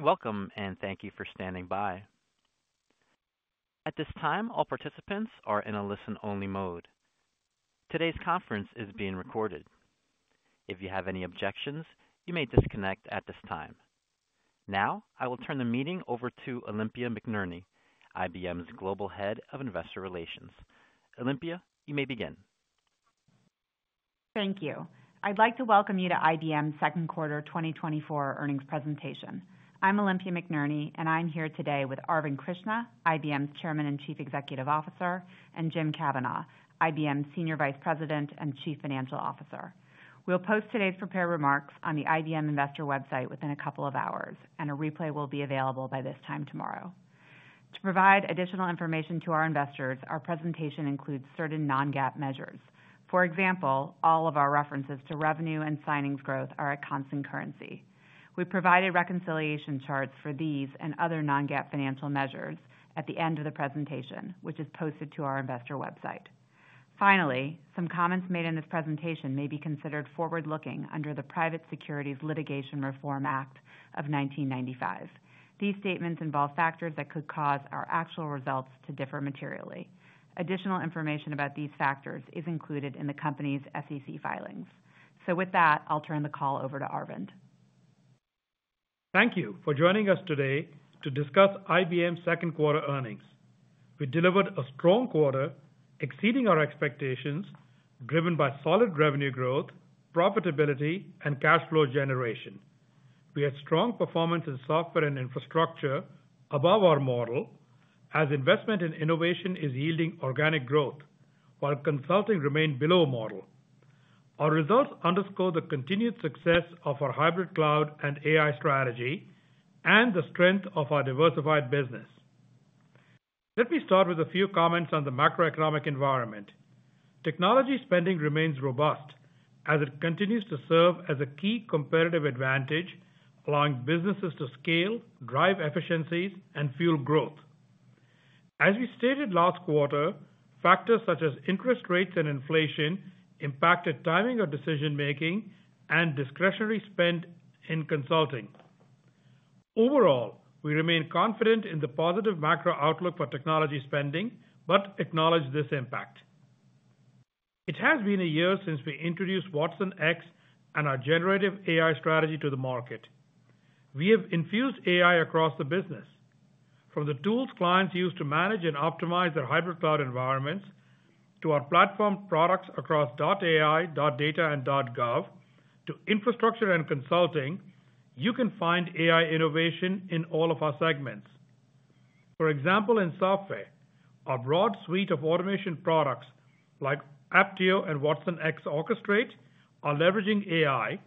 Welcome, and thank you for standing by. At this time, all participants are in a listen-only mode. Today's conference is being recorded. If you have any objections, you may disconnect at this time. Now, I will turn the meeting over to Olympia McNerney, IBM's Global Head of Investor Relations. Olympia, you may begin. Thank you. I'd like to welcome you to IBM's second quarter 2024 earnings presentation. I'm Olympia McNerney, and I'm here today with Arvind Krishna, IBM's Chairman and Chief Executive Officer, and Jim Kavanaugh, IBM's Senior Vice President and Chief Financial Officer. We'll post today's prepared remarks on the IBM Investor website within a couple of hours, and a replay will be available by this time tomorrow. To provide additional information to our investors, our presentation includes certain non-GAAP measures. For example, all of our references to revenue and signings growth are at constant currency. We provide reconciliation charts for these and other non-GAAP financial measures at the end of the presentation, which is posted to our Investor website. Finally, some comments made in this presentation may be considered forward-looking under the Private Securities Litigation Reform Act of 1995. These statements involve factors that could cause our actual results to differ materially. Additional information about these factors is included in the company's SEC filings. With that, I'll turn the call over to Arvind. Thank you for joining us today to discuss IBM's second quarter earnings. We delivered a strong quarter, exceeding our expectations, driven by solid revenue growth, profitability, and cash flow generation. We had strong performance in software and infrastructure above our model, as investment in innovation is yielding organic growth, while consulting remained below model. Our results underscore the continued success of our hybrid cloud and AI strategy, and the strength of our diversified business. Let me start with a few comments on the macroeconomic environment. Technology spending remains robust, as it continues to serve as a key competitive advantage, allowing businesses to scale, drive efficiencies, and fuel growth. As we stated last quarter, factors such as interest rates and inflation impacted timing of decision-making and discretionary spend in consulting. Overall, we remain confident in the positive macro outlook for technology spending, but acknowledge this impact. It has been a year since we introduced watsonx and our generative AI strategy to the market. We have infused AI across the business. From the tools clients use to manage and optimize their hybrid cloud environments, to our platform products across .ai, .data, and .gov, to infrastructure and consulting, you can find AI innovation in all of our segments. For example, in software, our broad suite of automation products like Apptio and watsonx Orchestrate are leveraging AI,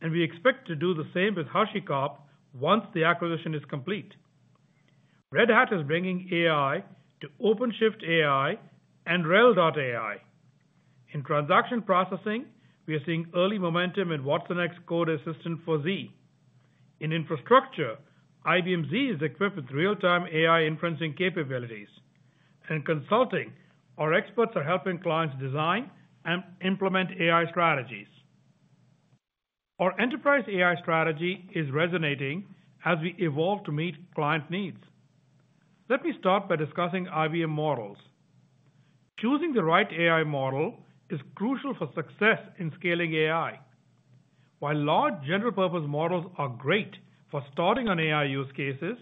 and we expect to do the same with HashiCorp once the acquisition is complete. Red Hat is bringing AI to OpenShift AI and RHEL AI. In transaction processing, we are seeing early momentum in watsonx Code Assistant for Z. In infrastructure, IBM Z is equipped with real-time AI inferencing capabilities. In consulting, our experts are helping clients design and implement AI strategies. Our enterprise AI strategy is resonating as we evolve to meet client needs. Let me start by discussing IBM models. Choosing the right AI model is crucial for success in scaling AI. While large general-purpose models are great for starting on AI use cases,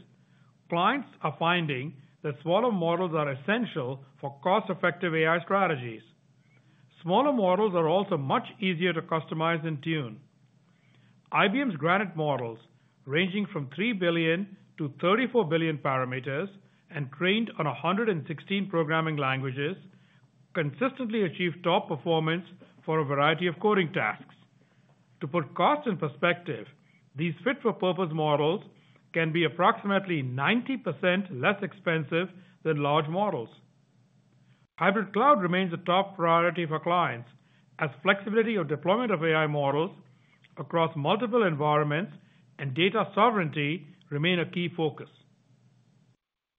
clients are finding that smaller models are essential for cost-effective AI strategies. Smaller models are also much easier to customize and tune. IBM's Granite models, ranging from 3 billion-34 billion parameters and trained on 116 programming languages, consistently achieve top performance for a variety of coding tasks. To put costs in perspective, these fit-for-purpose models can be approximately 90% less expensive than large models. Hybrid cloud remains a top priority for clients, as flexibility of deployment of AI models across multiple environments and data sovereignty remain a key focus.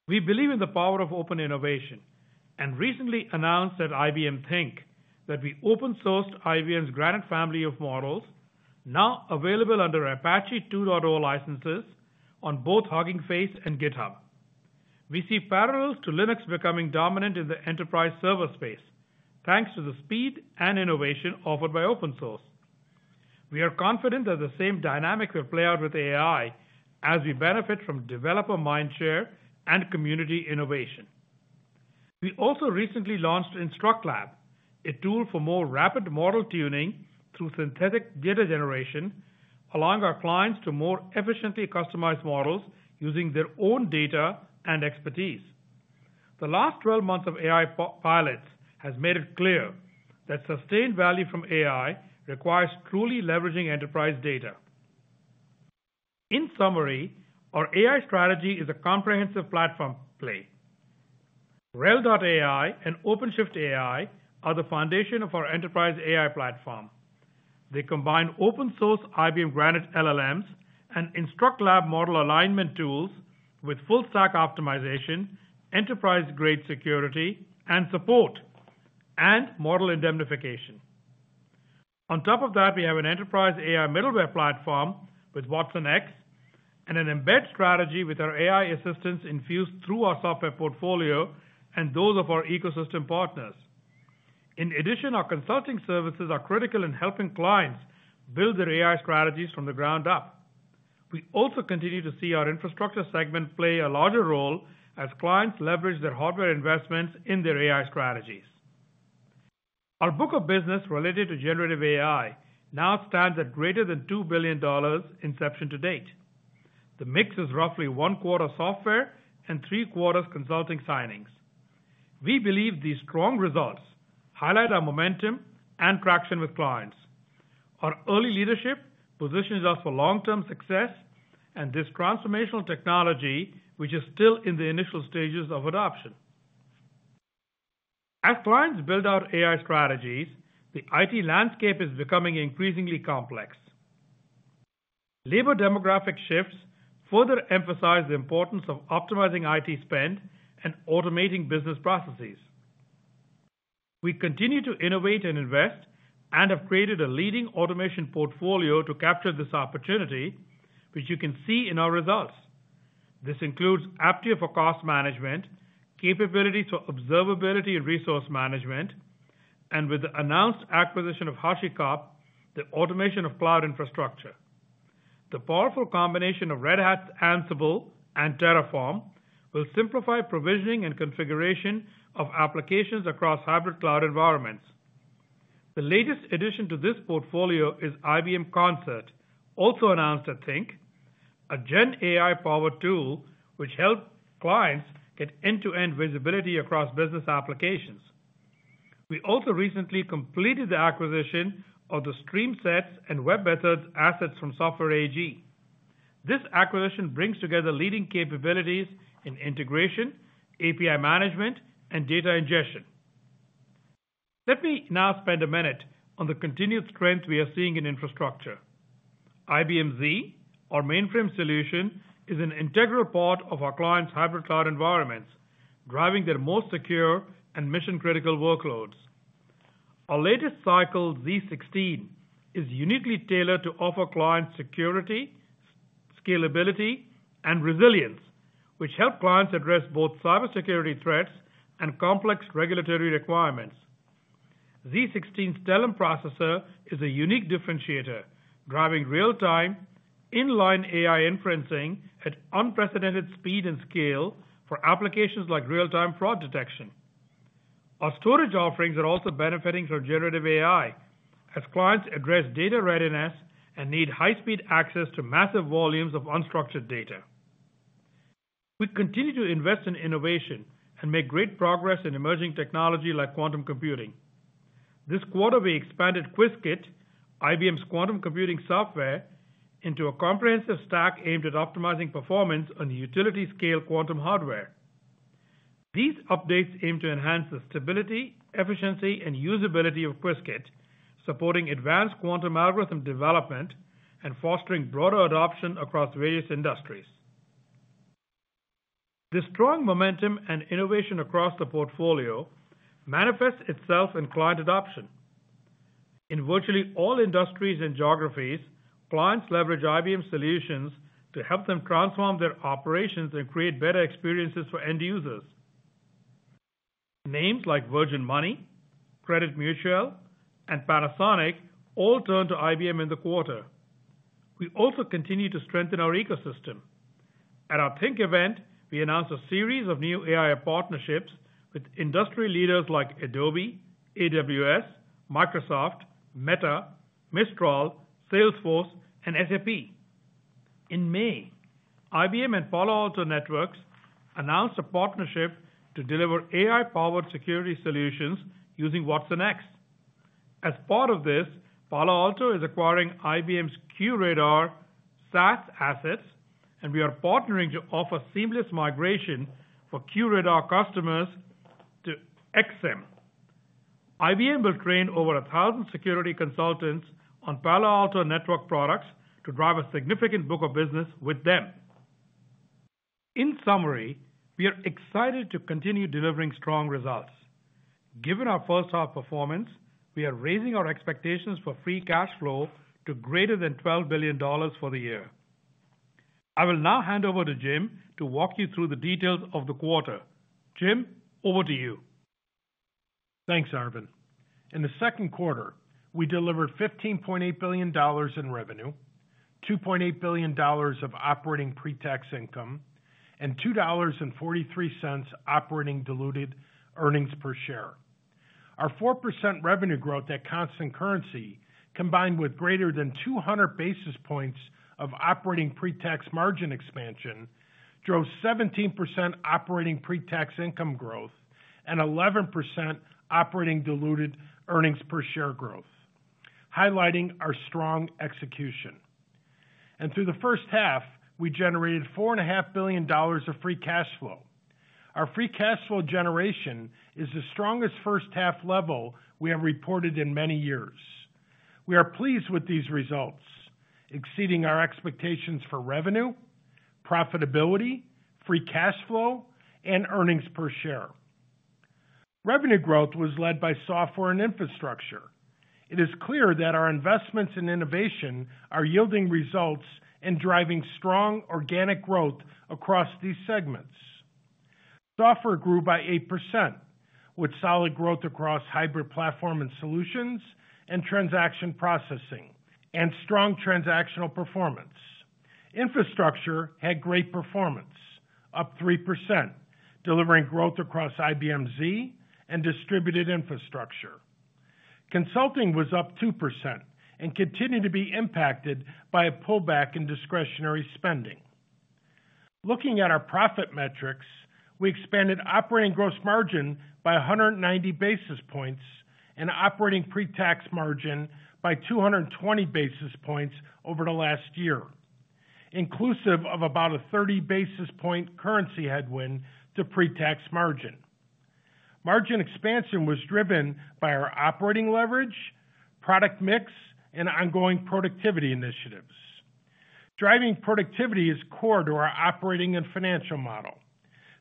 We believe in the power of open innovation, and recently announced at IBM Think that we open-sourced IBM's Granite family of models, now available under Apache 2.0 licenses on both Hugging Face and GitHub. We see parallels to Linux becoming dominant in the enterprise server space, thanks to the speed and innovation offered by open source. We are confident that the same dynamic will play out with AI, as we benefit from developer mindshare and community innovation. We also recently launched InstructLab, a tool for more rapid model tuning through synthetic data generation, allowing our clients to more efficiently customize models using their own data and expertise. The last 12 months of AI pilots have made it clear that sustained value from AI requires truly leveraging enterprise data. In summary, our AI strategy is a comprehensive platform play. RHEL AI and OpenShift AI are the foundation of our enterprise AI platform. They combine open-source IBM Granite LLMs and InstructLab model alignment tools with full stack optimization, enterprise-grade security and support, and model indemnification. On top of that, we have an enterprise AI middleware platform with watsonx and an embedded strategy with our AI assistants infused through our software portfolio and those of our ecosystem partners. In addition, our consulting services are critical in helping clients build their AI strategies from the ground up. We also continue to see our infrastructure segment play a larger role as clients leverage their hardware investments in their AI strategies. Our book of business related to generative AI now stands at greater than $2 billion inception to date. The mix is roughly one quarter software and three quarters consulting signings. We believe these strong results highlight our momentum and traction with clients. Our early leadership positions us for long-term success, and this transformational technology, which is still in the initial stages of adoption. As clients build out AI strategies, the IT landscape is becoming increasingly complex. Labor demographic shifts further emphasize the importance of optimizing IT spend and automating business processes. We continue to innovate and invest and have created a leading automation portfolio to capture this opportunity, which you can see in our results. This includes Apptio for cost management, capabilities for observability and resource management, and with the announced acquisition of HashiCorp, the automation of cloud infrastructure. The powerful combination of Red Hat's Ansible and Terraform will simplify provisioning and configuration of applications across hybrid cloud environments. The latest addition to this portfolio is IBM Concert, also announced at Think, a Gen AI-powered tool which helps clients get end-to-end visibility across business applications. We also recently completed the acquisition of the StreamSets and webMethods assets from Software AG. This acquisition brings together leading capabilities in integration, API management, and data ingestion. Let me now spend a minute on the continued strength we are seeing in infrastructure. IBM Z, our mainframe solution, is an integral part of our clients' hybrid cloud environments, driving their most secure and mission-critical workloads. Our latest cycle, z16, is uniquely tailored to offer clients security, scalability, and resilience, which help clients address both cybersecurity threats and complex regulatory requirements. z16's Telum processor is a unique differentiator, driving real-time, inline AI inferencing at unprecedented speed and scale for applications like real-time fraud detection. Our storage offerings are also benefiting from generative AI, as clients address data readiness and need high-speed access to massive volumes of unstructured data. We continue to invest in innovation and make great progress in emerging technology like quantum computing. This quarter, we expanded Qiskit, IBM's quantum computing software, into a comprehensive stack aimed at optimizing performance on utility-scale quantum hardware. These updates aim to enhance the stability, efficiency, and usability of Qiskit, supporting advanced quantum algorithm development and fostering broader adoption across various industries. This strong momentum and innovation across the portfolio manifests itself in client adoption. In virtually all industries and geographies, clients leverage IBM solutions to help them transform their operations and create better experiences for end users. Names like Virgin Money, Crédit Mutuel, and Panasonic all turned to IBM in the quarter. We also continue to strengthen our ecosystem. At our Think event, we announced a series of new AI partnerships with industry leaders like Adobe, AWS, Microsoft, Meta, Mistral, Salesforce, and SAP. In May, IBM and Palo Alto Networks announced a partnership to deliver AI-powered security solutions using watsonx. As part of this, Palo Alto is acquiring IBM's QRadar SaaS assets, and we are partnering to offer seamless migration for QRadar customers to XSIAM. IBM will train over 1,000 security consultants on Palo Alto Networks products to drive a significant book of business with them. In summary, we are excited to continue delivering strong results. Given our first-half performance, we are raising our expectations for free cash flow to greater than $12 billion for the year. I will now hand over to Jim to walk you through the details of the quarter. Jim, over to you. Thanks, Arvind. In the second quarter, we delivered $15.8 billion in revenue, $2.8 billion of operating pre-tax income, and $2.43 operating diluted earnings per share. Our 4% revenue growth at constant currency, combined with greater than 200 basis points of operating pre-tax margin expansion, drove 17% operating pre-tax income growth and 11% operating diluted earnings per share growth, highlighting our strong execution. Through the first half, we generated $4.5 billion of free cash flow. Our free cash flow generation is the strongest first-half level we have reported in many years. We are pleased with these results, exceeding our expectations for revenue, profitability, free cash flow, and earnings per share. Revenue growth was led by software and infrastructure. It is clear that our investments in innovation are yielding results and driving strong organic growth across these segments. Software grew by 8%, with solid growth across hybrid platform and solutions and transaction processing and strong transactional performance. Infrastructure had great performance, up 3%, delivering growth across IBM Z and distributed infrastructure. Consulting was up 2% and continued to be impacted by a pullback in discretionary spending. Looking at our profit metrics, we expanded operating gross margin by 190 basis points and operating pre-tax margin by 220 basis points over the last year, inclusive of about a 30 basis point currency headwind to pre-tax margin. Margin expansion was driven by our operating leverage, product mix, and ongoing productivity initiatives. Driving productivity is core to our operating and financial model.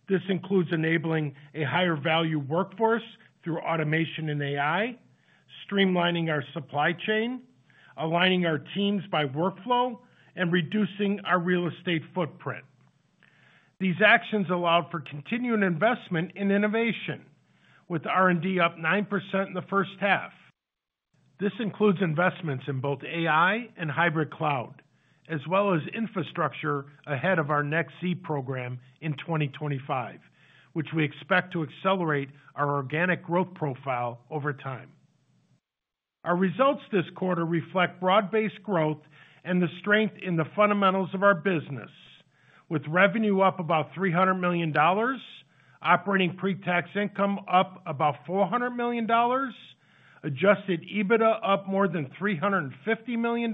This includes enabling a higher-value workforce through automation and AI, streamlining our supply chain, aligning our teams by workflow, and reducing our real estate footprint. These actions allowed for continued investment in innovation, with R&D up 9% in the first half. This includes investments in both AI and hybrid cloud, as well as infrastructure ahead of our next Z program in 2025, which we expect to accelerate our organic growth profile over time. Our results this quarter reflect broad-based growth and the strength in the fundamentals of our business, with revenue up about $300 million, operating pre-tax income up about $400 million, adjusted EBITDA up more than $350 million,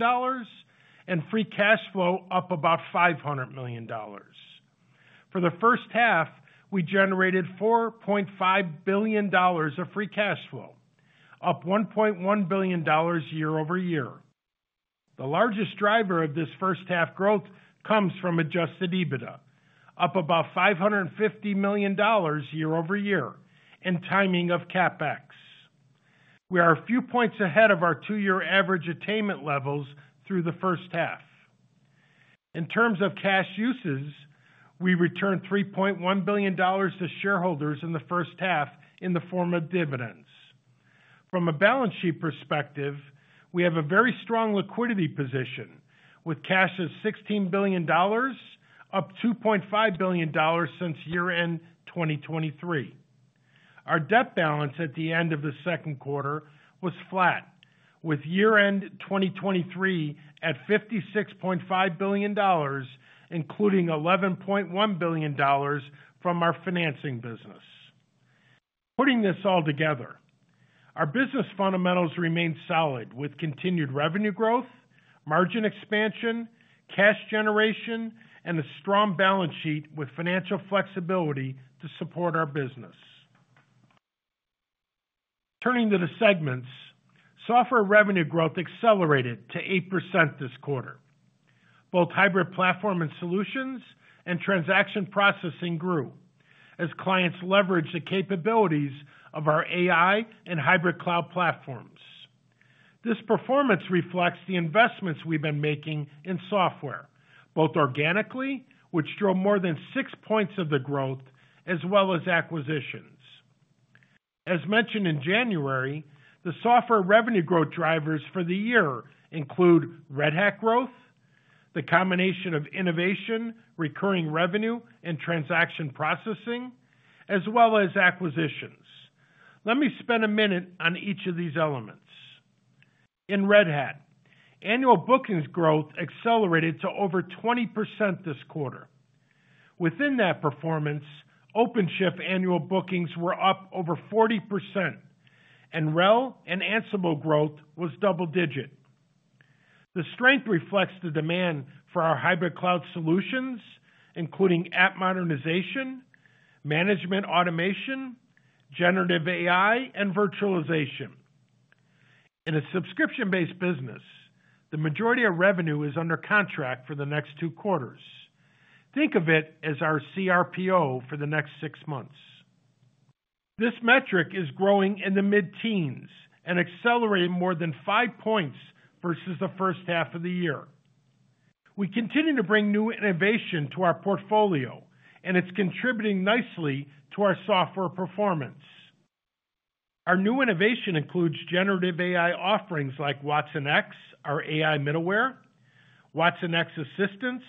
and free cash flow up about $500 million. For the first half, we generated $4.5 billion of free cash flow, up $1.1 billion year-over-year. The largest driver of this first-half growth comes from adjusted EBITDA, up about $550 million year-over-year, and timing of CapEx. We are a few points ahead of our two-year average attainment levels through the first half. In terms of cash uses, we returned $3.1 billion to shareholders in the first half in the form of dividends. From a balance sheet perspective, we have a very strong liquidity position, with cash of $16 billion, up $2.5 billion since year-end 2023. Our debt balance at the end of the second quarter was flat, with year-end 2023 at $56.5 billion, including $11.1 billion from our financing business. Putting this all together, our business fundamentals remain solid with continued revenue growth, margin expansion, cash generation, and a strong balance sheet with financial flexibility to support our business. Turning to the segments, software revenue growth accelerated to 8% this quarter. Both hybrid platform and solutions and transaction processing grew as clients leveraged the capabilities of our AI and hybrid cloud platforms. This performance reflects the investments we've been making in software, both organically, which drove more than 6 points of the growth, as well as acquisitions. As mentioned in January, the software revenue growth drivers for the year include Red Hat growth, the combination of innovation, recurring revenue, and transaction processing, as well as acquisitions. Let me spend a minute on each of these elements. In Red Hat, annual bookings growth accelerated to over 20% this quarter. Within that performance, OpenShift annual bookings were up over 40%, and RHEL and Ansible growth was double-digit. The strength reflects the demand for our hybrid cloud solutions, including app modernization, management automation, generative AI, and virtualization. In a subscription-based business, the majority of revenue is under contract for the next two quarters. Think of it as our CRPO for the next six months. This metric is growing in the mid-teens and accelerating more than 5 points versus the first half of the year. We continue to bring new innovation to our portfolio, and it's contributing nicely to our software performance. Our new innovation includes generative AI offerings like watsonx, our AI middleware, watsonx Assistant,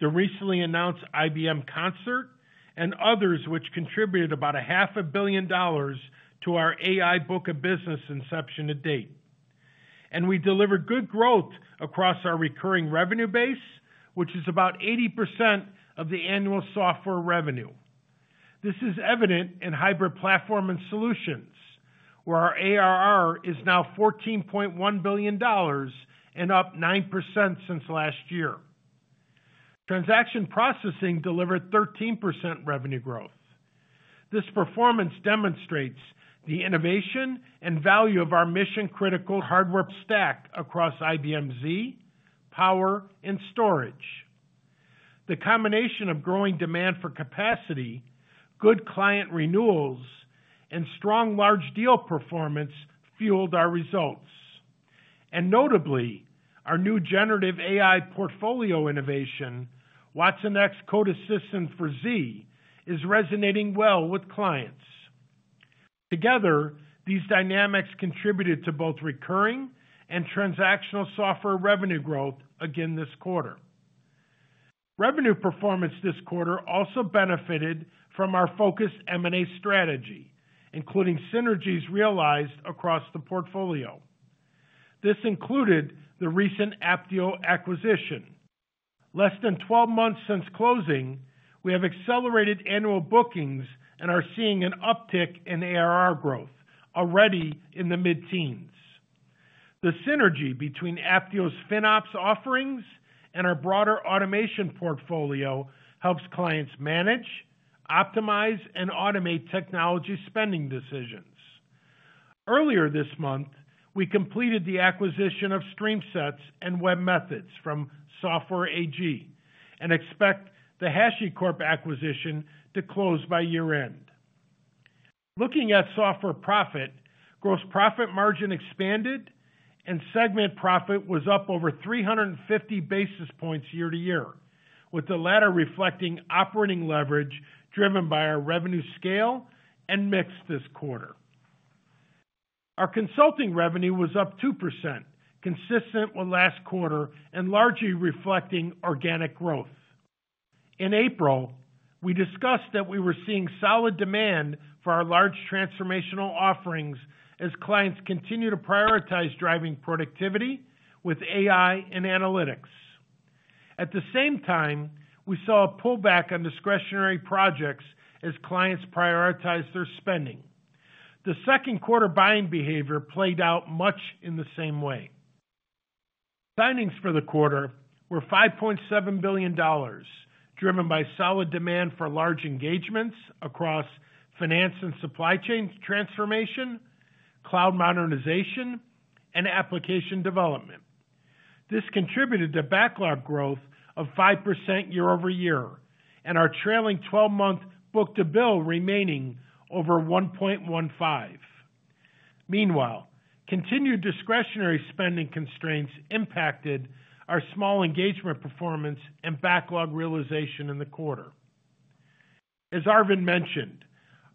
the recently announced IBM Concert, and others, which contributed about $500 million to our AI book of business inception to date. We delivered good growth across our recurring revenue base, which is about 80% of the annual software revenue. This is evident in hybrid platform and solutions, where our ARR is now $14.1 billion and up 9% since last year. Transaction processing delivered 13% revenue growth. This performance demonstrates the innovation and value of our mission-critical hardware stack across IBM Z, Power, and storage. The combination of growing demand for capacity, good client renewals, and strong large-deal performance fueled our results. Notably, our new generative AI portfolio innovation, watsonx Code Assistant for Z, is resonating well with clients. Together, these dynamics contributed to both recurring and transactional software revenue growth again this quarter. Revenue performance this quarter also benefited from our focused M&A strategy, including synergies realized across the portfolio. This included the recent Apptio acquisition. Less than 12 months since closing, we have accelerated annual bookings and are seeing an uptick in ARR growth, already in the mid-teens. The synergy between Apptio's FinOps offerings and our broader automation portfolio helps clients manage, optimize, and automate technology spending decisions. Earlier this month, we completed the acquisition of StreamSets and webMethods from Software AG and expect the HashiCorp acquisition to close by year-end. Looking at software profit, gross profit margin expanded and segment profit was up over 350 basis points year-over-year, with the latter reflecting operating leverage driven by our revenue scale and mix this quarter. Our consulting revenue was up 2%, consistent with last quarter and largely reflecting organic growth. In April, we discussed that we were seeing solid demand for our large transformational offerings as clients continue to prioritize driving productivity with AI and analytics. At the same time, we saw a pullback on discretionary projects as clients prioritize their spending. The second quarter buying behavior played out much in the same way. Signings for the quarter were $5.7 billion, driven by solid demand for large engagements across finance and supply chain transformation, cloud modernization, and application development. This contributed to backlog growth of 5% year-over-year and our trailing 12-month book-to-bill remaining over 1.15. Meanwhile, continued discretionary spending constraints impacted our small engagement performance and backlog realization in the quarter. As Arvind mentioned,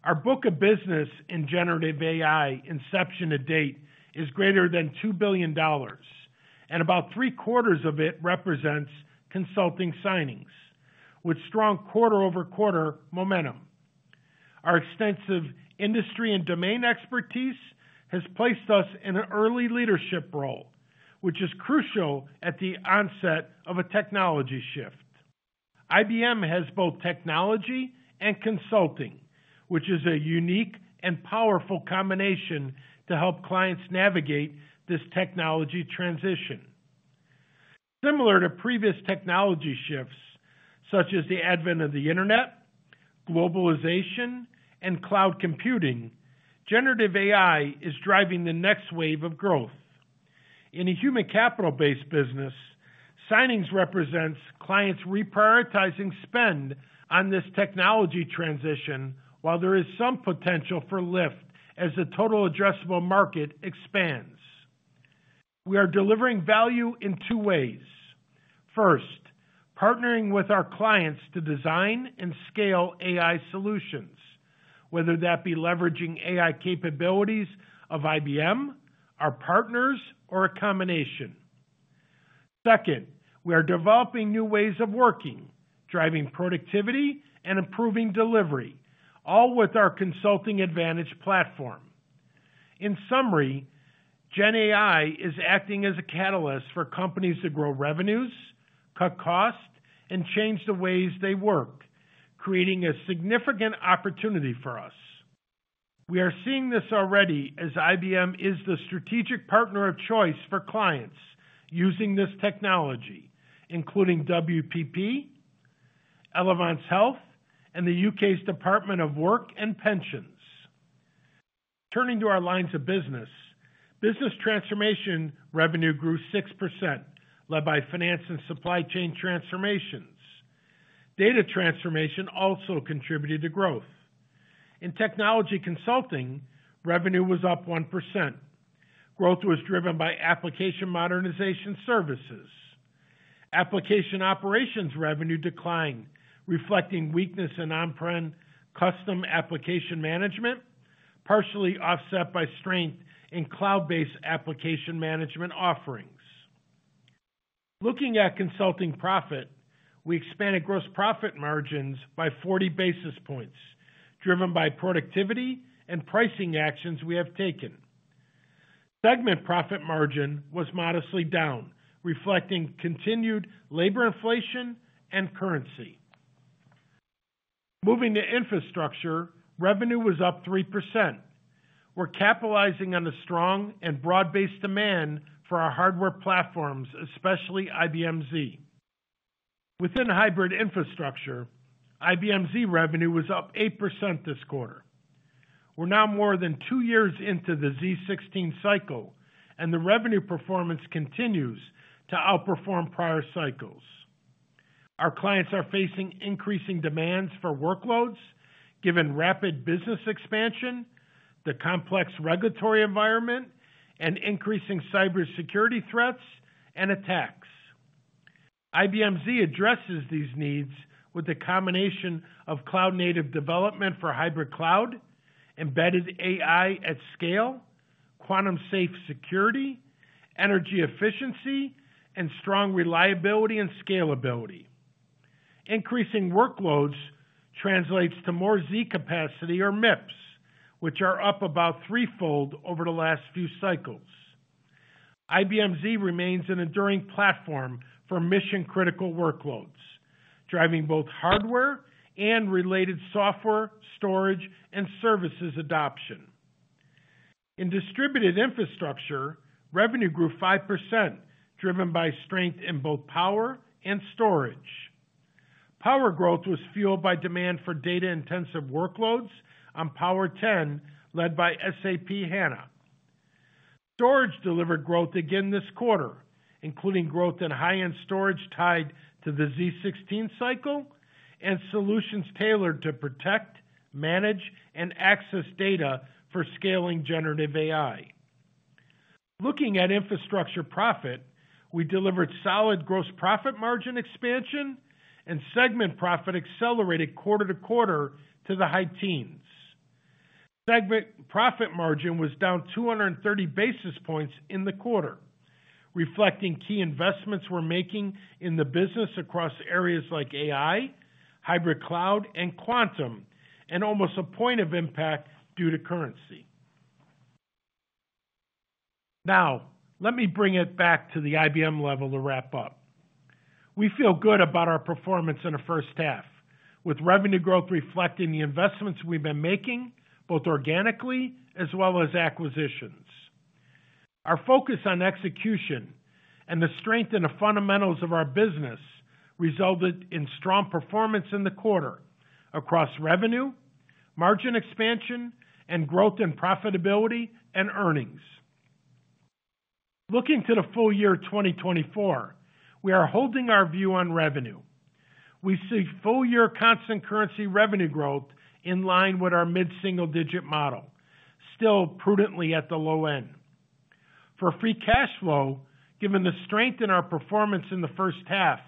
our book of business in generative AI inception to date is greater than $2 billion, and about three-quarters of it represents consulting signings, with strong quarter-over-quarter momentum. Our extensive industry and domain expertise has placed us in an early leadership role, which is crucial at the onset of a technology shift. IBM has both technology and consulting, which is a unique and powerful combination to help clients navigate this technology transition. Similar to previous technology shifts, such as the advent of the internet, globalization, and cloud computing, generative AI is driving the next wave of growth. In a human capital-based business, signings represents clients reprioritizing spend on this technology transition, while there is some potential for lift as the total addressable market expands. We are delivering value in two ways. First, partnering with our clients to design and scale AI solutions, whether that be leveraging AI capabilities of IBM, our partners, or a combination. Second, we are developing new ways of working, driving productivity and improving delivery, all with our consulting advantage platform. In summary, GenAI is acting as a catalyst for companies to grow revenues, cut costs, and change the ways they work, creating a significant opportunity for us. We are seeing this already as IBM is the strategic partner of choice for clients using this technology, including WPP, Elevance Health, and the U.K.'s Department for Work and Pensions. Turning to our lines of business, business transformation revenue grew 6%, led by finance and supply chain transformations. Data transformation also contributed to growth. In technology consulting, revenue was up 1%. Growth was driven by application modernization services. Application operations revenue declined, reflecting weakness in on-prem custom application management, partially offset by strength in cloud-based application management offerings. Looking at consulting profit, we expanded gross profit margins by 40 basis points, driven by productivity and pricing actions we have taken. Segment profit margin was modestly down, reflecting continued labor inflation and currency. Moving to infrastructure, revenue was up 3%. We're capitalizing on the strong and broad-based demand for our hardware platforms, especially IBM Z. Within hybrid infrastructure, IBM Z revenue was up 8% this quarter. We're now more than 2 years into the z16 cycle, and the revenue performance continues to outperform prior cycles. Our clients are facing increasing demands for workloads, given rapid business expansion, the complex regulatory environment, and increasing cybersecurity threats and attacks. IBM Z addresses these needs with a combination of cloud-native development for hybrid cloud, embedded AI at scale, quantum-safe security, energy efficiency, and strong reliability and scalability. Increasing workloads translates to more Z capacity, or MIPS, which are up about threefold over the last few cycles. IBM Z remains an enduring platform for mission-critical workloads, driving both hardware and related software, storage, and services adoption. In distributed infrastructure, revenue grew 5%, driven by strength in both power and storage. Power growth was fueled by demand for data-intensive workloads on Power10, led by SAP HANA. Storage delivered growth again this quarter, including growth in high-end storage tied to the z16 cycle and solutions tailored to protect, manage, and access data for scaling generative AI. Looking at infrastructure profit, we delivered solid gross profit margin expansion, and segment profit accelerated quarter-to-quarter to the high teens. Segment profit margin was down 230 basis points in the quarter, reflecting key investments we're making in the business across areas like AI, hybrid cloud, and quantum, and almost a point of impact due to currency. Now, let me bring it back to the IBM level to wrap up. We feel good about our performance in the first half, with revenue growth reflecting the investments we've been making, both organically as well as acquisitions. Our focus on execution and the strength in the fundamentals of our business resulted in strong performance in the quarter across revenue, margin expansion, and growth in profitability and earnings. Looking to the full year 2024, we are holding our view on revenue. We see full-year constant currency revenue growth in line with our mid-single-digit model, still prudently at the low end. For free cash flow, given the strength in our performance in the first half,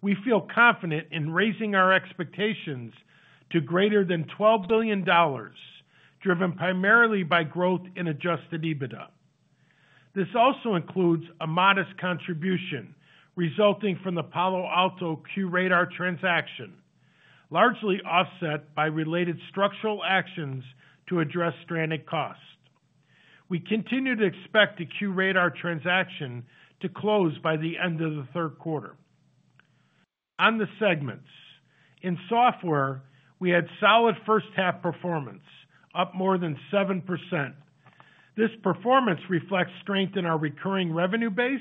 we feel confident in raising our expectations to greater than $12 billion, driven primarily by growth in adjusted EBITDA. This also includes a modest contribution resulting from the Palo Alto QRadar transaction, largely offset by related structural actions to address stranded costs. We continue to expect the QRadar transaction to close by the end of the third quarter. On the segments, in software, we had solid first-half performance, up more than 7%. This performance reflects strength in our recurring revenue base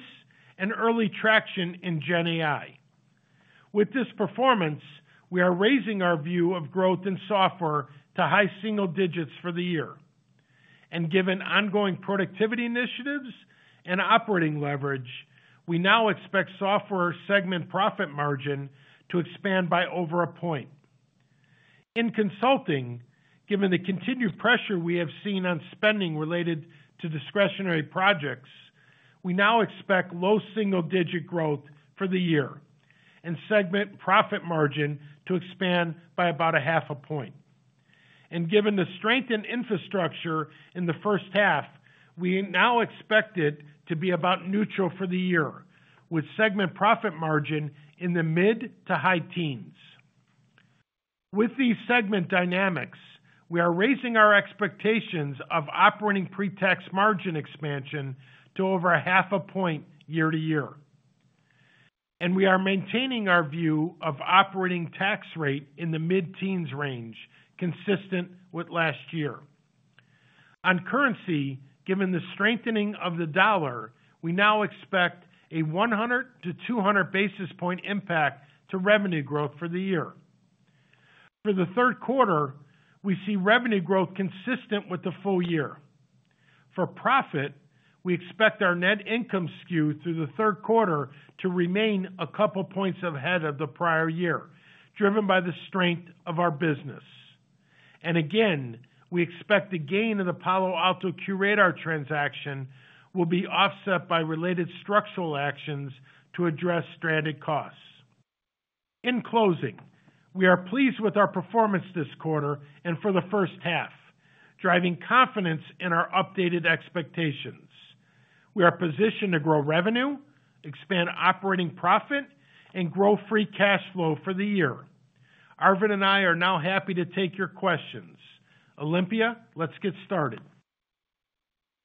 and early traction in GenAI. With this performance, we are raising our view of growth in software to high single digits for the year. Given ongoing productivity initiatives and operating leverage, we now expect software segment profit margin to expand by over a point. In consulting, given the continued pressure we have seen on spending related to discretionary projects, we now expect low single-digit growth for the year and segment profit margin to expand by about a half a point. Given the strength in infrastructure in the first half, we now expect it to be about neutral for the year, with segment profit margin in the mid- to high-teens. With these segment dynamics, we are raising our expectations of operating pre-tax margin expansion to over a half a point year-over-year. We are maintaining our view of operating tax rate in the mid-teens range, consistent with last year. On currency, given the strengthening of the US dollar, we now expect a 100-basis-point to 200-basis-point impact to revenue growth for the year. For the third quarter, we see revenue growth consistent with the full year. For profit, we expect our net income skew through the third quarter to remain a couple points ahead of the prior year, driven by the strength of our business. Again, we expect the gain of the Palo Alto QRadar transaction will be offset by related structural actions to address stranded costs. In closing, we are pleased with our performance this quarter and for the first half, driving confidence in our updated expectations. We are positioned to grow revenue, expand operating profit, and grow free cash flow for the year. Arvind and I are now happy to take your questions. Olympia, let's get started.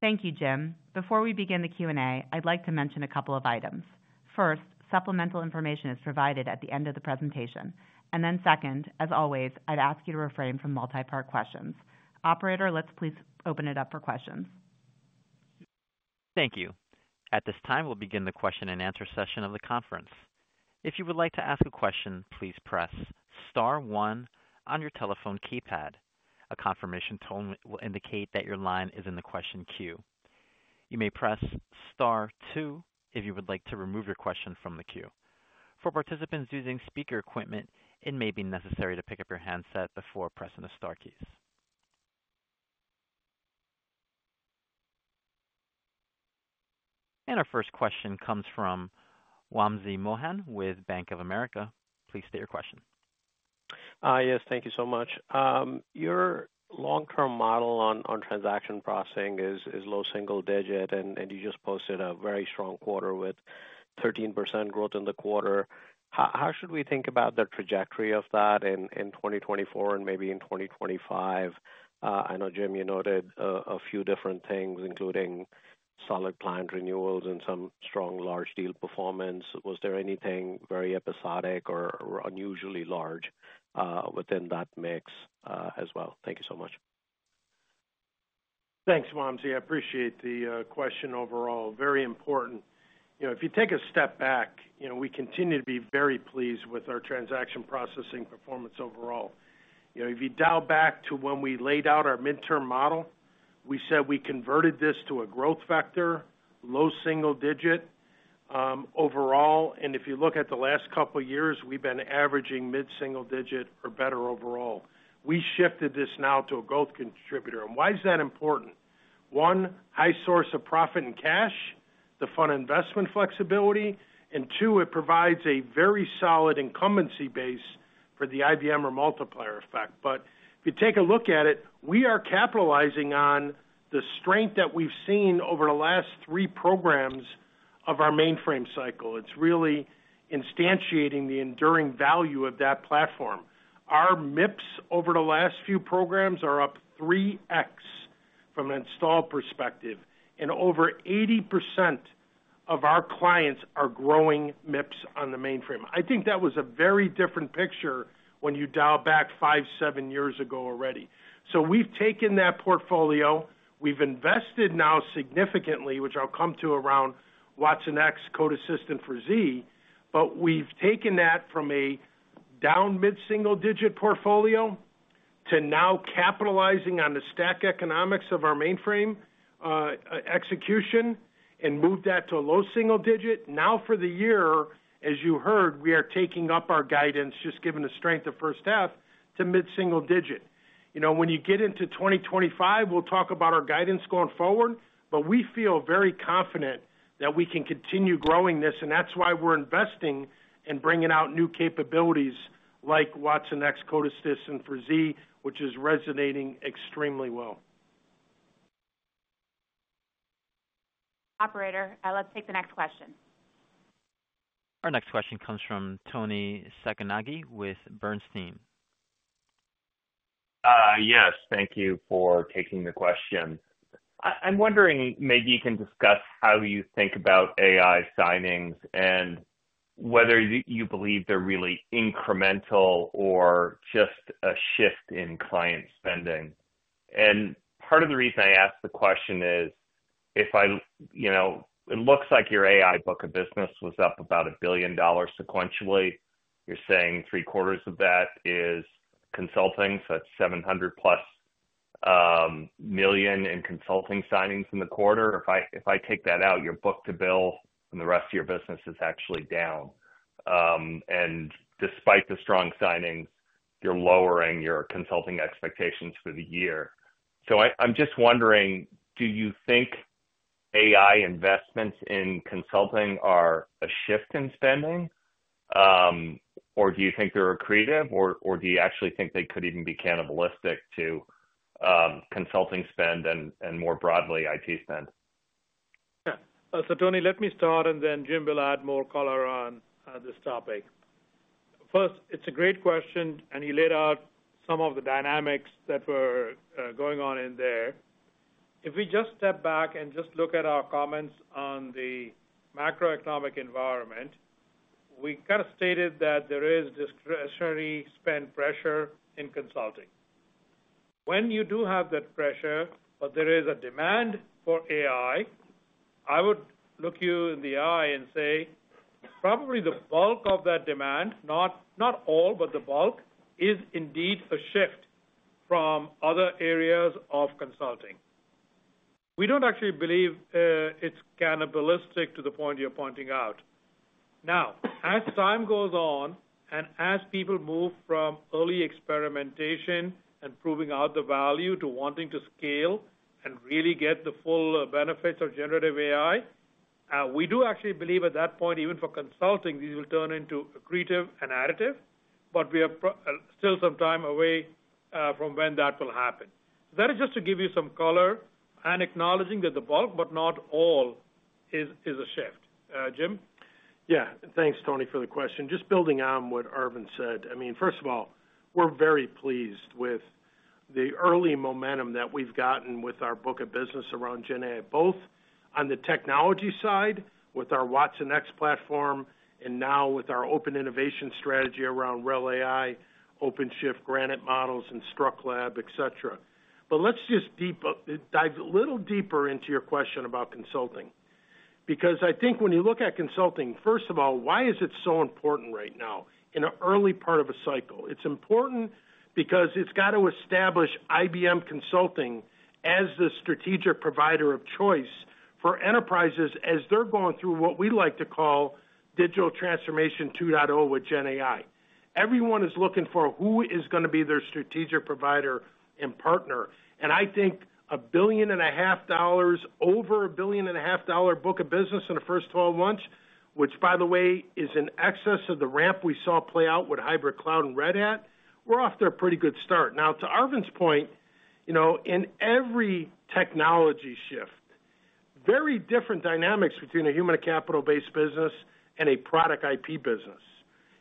Thank you, Jim. Before we begin the Q&A, I'd like to mention a couple of items. First, supplemental information is provided at the end of the presentation. Then second, as always, I'd ask you to refrain from multi-part questions. Operator, let's please open it up for questions. Thank you. At this time, we'll begin the question and answer session of the conference. If you would like to ask a question, please press star one on your telephone keypad. A confirmation tone will indicate that your line is in the question queue. You may press star two if you would like to remove your question from the queue. For participants using speaker equipment, it may be necessary to pick up your handset before pressing the star keys. Our first question comes from Wamsi Mohan with Bank of America. Please state your question. Hi, yes, thank you so much. Your long-term model on transaction processing is low single digit, and you just posted a very strong quarter with 13% growth in the quarter. How should we think about the trajectory of that in 2024 and maybe in 2025? I know, Jim, you noted a few different things, including solid client renewals and some strong large deal performance. Was there anything very episodic or unusually large within that mix as well? Thank you so much. Thanks, Wamsi. I appreciate the question overall. Very important. If you take a step back, we continue to be very pleased with our transaction processing performance overall. If you dial back to when we laid out our midterm model, we said we converted this to a growth factor, low single digit overall. And if you look at the last couple of years, we've been averaging mid-single digit or better overall. We shifted this now to a growth contributor. And why is that important? One, high source of profit and cash, the fund investment flexibility. And two, it provides a very solid incumbency base for the IBM or multiplier effect. But if you take a look at it, we are capitalizing on the strength that we've seen over the last three programs of our mainframe cycle. It's really instantiating the enduring value of that platform. Our MIPS over the last few programs are up 3x from an install perspective. And over 80% of our clients are growing MIPS on the mainframe. I think that was a very different picture when you dial back five, seven years ago already. So we've taken that portfolio. We've invested now significantly, which I'll come to around watsonx Code Assistant for Z, but we've taken that from a down mid-single digit portfolio to now capitalizing on the stack economics of our mainframe execution and moved that to a low single digit. Now for the year, as you heard, we are taking up our guidance, just given the strength of first half, to mid-single digit. When you get into 2025, we'll talk about our guidance going forward, but we feel very confident that we can continue growing this, and that's why we're investing and bringing out new capabilities like watsonx Code Assistant for Z, which is resonating extremely well. Operator, let's take the next question. Our next question comes from Toni Sacconaghi with Bernstein. Yes, thank you for taking the question. I'm wondering maybe you can discuss how you think about AI signings and whether you believe they're really incremental or just a shift in client spending. And part of the reason I asked the question is if it looks like your AI book of business was up about $1 billion sequentially. You're saying three quarters of that is consulting, so it's $700 million in consulting signings in the quarter. If I take that out, your book-to-bill and the rest of your business is actually down. Despite the strong signings, you're lowering your consulting expectations for the year. So I'm just wondering, do you think AI investments in consulting are a shift in spending, or do you think they're accretive, or do you actually think they could even be cannibalistic to consulting spend and more broadly IT spend? Yeah. So Toni, let me start, and then Jim will add more color on this topic. First, it's a great question, and you laid out some of the dynamics that were going on in there. If we just step back and just look at our comments on the macroeconomic environment, we kind of stated that there is discretionary spend pressure in consulting. When you do have that pressure, but there is a demand for AI, I would look you in the eye and say, probably the bulk of that demand, not all, but the bulk, is indeed a shift from other areas of consulting. We don't actually believe it's cannibalistic to the point you're pointing out. Now, as time goes on and as people move from early experimentation and proving out the value to wanting to scale and really get the full benefits of generative AI, we do actually believe at that point, even for consulting, these will turn into accretive and additive, but we are still some time away from when that will happen. So that is just to give you some color and acknowledging that the bulk, but not all, is a shift. Jim? Yeah. Thanks, Toni, for the question. Just building on what Arvind said, I mean, first of all, we're very pleased with the early momentum that we've gotten with our book of business around GenAI, both on the technology side with our watsonx platform and now with our open innovation strategy around RHEL AI, OpenShift Granite models, and InstructLab, etc. But let's just dive a little deeper into your question about consulting. Because I think when you look at consulting, first of all, why is it so important right now in an early part of a cycle? It's important because it's got to establish IBM Consulting as the strategic provider of choice for enterprises as they're going through what we like to call digital transformation 2.0 with GenAI. Everyone is looking for who is going to be their strategic provider and partner. I think $1.5 billion, over a $1.5 billion book of business in the first 12 months, which, by the way, is in excess of the ramp we saw play out with Hybrid Cloud and Red Hat. We're off to a pretty good start. Now, to Arvind's point, in every technology shift, very different dynamics between a human capital-based business and a product IP business.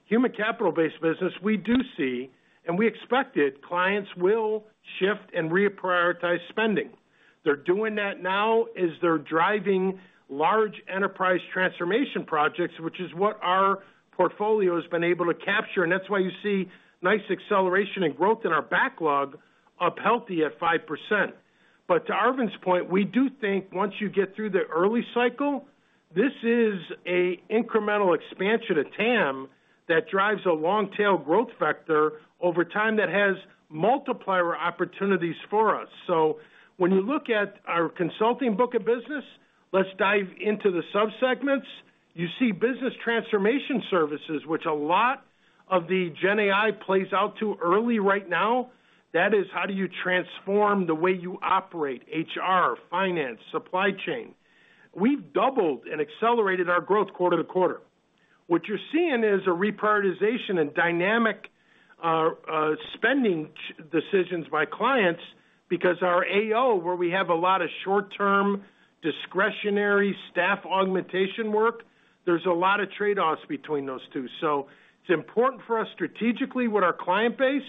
Human capital-based business, we do see, and we expect it, clients will shift and reprioritize spending. They're doing that now as they're driving large enterprise transformation projects, which is what our portfolio has been able to capture. And that's why you see nice acceleration and growth in our backlog of healthy at 5%. But to Arvind's point, we do think once you get through the early cycle, this is an incremental expansion of TAM that drives a long-tail growth vector over time that has multiplier opportunities for us. So when you look at our consulting book of business, let's dive into the subsegments. You see business transformation services, which a lot of the GenAI plays out too early right now. That is how do you transform the way you operate HR, finance, supply chain. We've doubled and accelerated our growth quarter-to-quarter. What you're seeing is a reprioritization and dynamic spending decisions by clients because our AO, where we have a lot of short-term discretionary staff augmentation work, there's a lot of trade-offs between those two. So it's important for us strategically with our client base,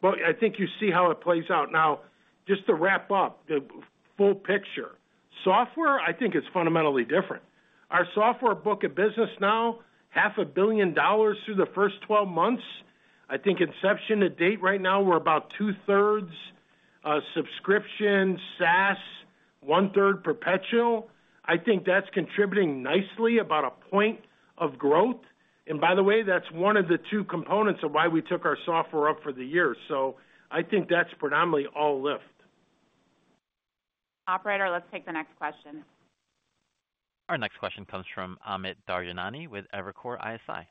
but I think you see how it plays out. Now, just to wrap up the full picture, software, I think it's fundamentally different. Our software book of business now, $500 million through the first 12 months. I think inception to date right now, we're about 2/3 subscription, SaaS, 1/3 perpetual. I think that's contributing nicely about a point of growth. And by the way, that's one of the two components of why we took our software up for the year. So I think that's predominantly all lift. Operator, let's take the next question. Our next question comes from Amit Daryanani with Evercore ISI.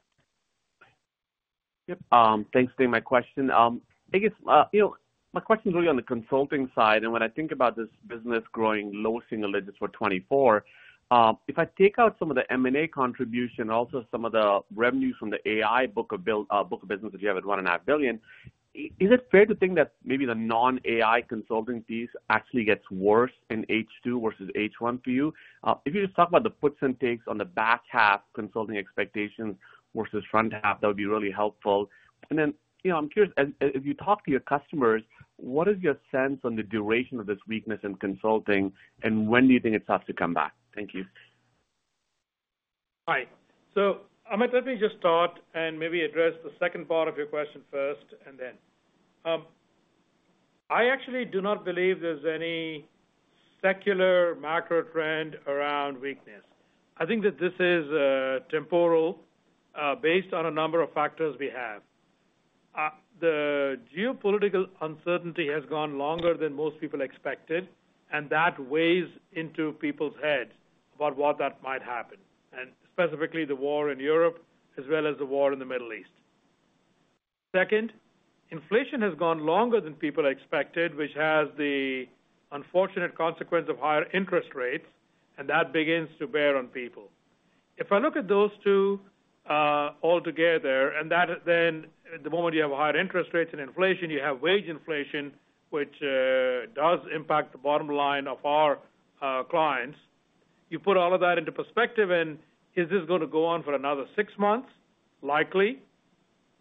Yep. Thanks for my question. I guess my question is really on the consulting side. And when I think about this business growing low single digits for 2024, if I take out some of the M&A contribution, also some of the revenue from the AI book of business, if you have it $1.5 billion, is it fair to think that maybe the non-AI consulting piece actually gets worse in H2 versus H1 for you? If you just talk about the puts and takes on the back half consulting expectations versus front half, that would be really helpful. And then I'm curious, as you talk to your customers, what is your sense on the duration of this weakness in consulting, and when do you think it's off to come back? Thank you. All right. So Amit, let me just start and maybe address the second part of your question first and then. I actually do not believe there's any secular macro trend around weakness. I think that this is temporal based on a number of factors we have. The geopolitical uncertainty has gone longer than most people expected, and that weighs into people's heads about what might happen, and specifically the war in Europe as well as the war in the Middle East. Second, inflation has gone longer than people expected, which has the unfortunate consequence of higher interest rates, and that begins to bear on people. If I look at those two altogether, and then the moment you have higher interest rates and inflation, you have wage inflation, which does impact the bottom line of our clients. You put all of that into perspective, and is this going to go on for another six months? Likely.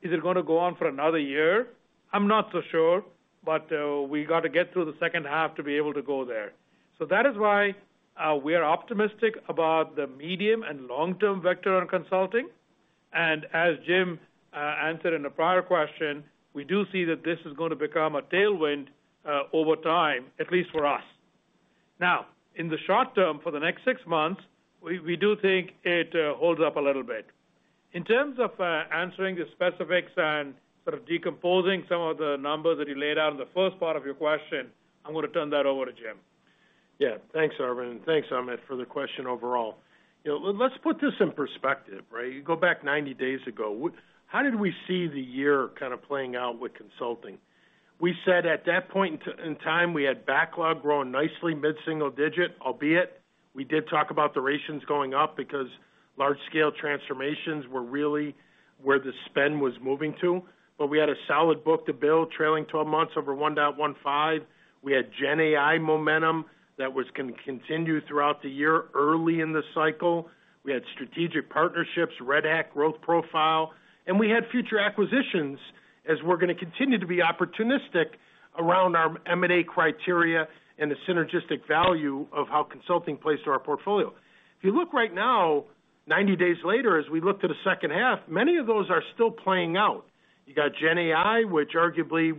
Is it going to go on for another year? I'm not so sure, but we got to get through the second half to be able to go there. So that is why we are optimistic about the medium and long-term vector on consulting. And as Jim answered in a prior question, we do see that this is going to become a tailwind over time, at least for us. Now, in the short term for the next six months, we do think it holds up a little bit. In terms of answering the specifics and sort of decomposing some of the numbers that you laid out in the first part of your question, I'm going to turn that over to Jim. Yeah. Thanks, Arvind. And thanks, Amit, for the question overall. Let's put this in perspective, right? You go back 90 days ago. How did we see the year kind of playing out with consulting? We said at that point in time, we had backlog growing nicely mid-single digit, albeit we did talk about the ratios going up because large-scale transformations were really where the spend was moving to. But we had a solid book-to-bill trailing 12 months over 1.15. We had GenAI momentum that was going to continue throughout the year early in the cycle. We had strategic partnerships, Red Hat growth profile, and we had future acquisitions as we're going to continue to be opportunistic around our M&A criteria and the synergistic value of how consulting plays to our portfolio. If you look right now, 90 days later, as we look to the second half, many of those are still playing out. You got GenAI, which arguably